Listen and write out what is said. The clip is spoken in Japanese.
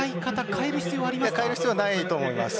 変える必要はないと思います。